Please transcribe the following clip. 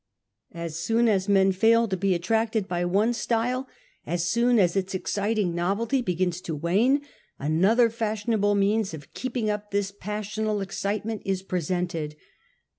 As soon as men fail 58 UNMASKED. to be attracted by one &tyle ; as soon as its exciting novelty begins to wane, another fashionable means of \ keeping up this passional excitement is presented.